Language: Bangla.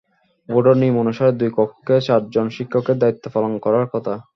বোর্ডের নিয়ম অনুসারে দুই কক্ষে চারজন শিক্ষকের দায়িত্ব পালন করার কথা।